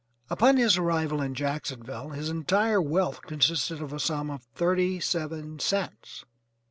Upon his arrival in Jacksonville his entire wealth consisted of the sum of thirty seven cents.